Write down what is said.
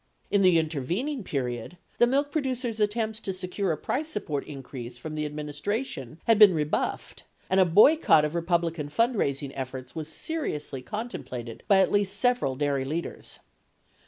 In the intervening period, the milk producers' attempts to secure a price support increase from the administration had been rebuffed, and a boycott of Republican fundraising efforts was being seriously contemplated by at least several dairy leaders.